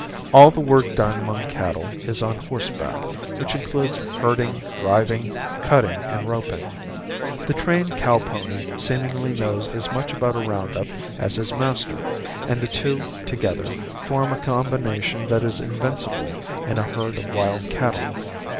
All the work done among cattle is on horseback, which includes herding, driving, cutting and roping. The trained cow pony seemingly knows as much about a round up as his master, and the two, together, form a combination that is invincible in a herd of wild cattle.